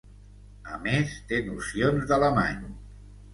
A més, té nocions d'alemany.